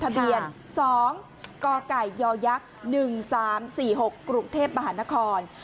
ทะเบียน๒กกย๑๓๔๖กรุงเทพมหานคร